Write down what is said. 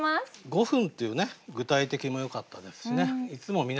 「五分」っていうね具体的もよかったですしねいつも見